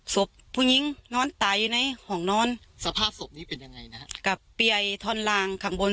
ศพผู้หญิงนอนไตในห้องนอนสภาพศพนี้เป็นยังไงนะฮะกับเปียท่อนลางข้างบน